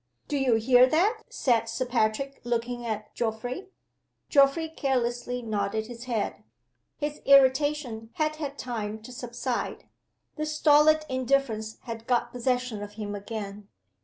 "Do you hear that?" said Sir Patrick, looking at Geoffrey. Geoffrey carelessly nodded his head. His irritation had had time to subside; the stolid indifference had got possession of him again.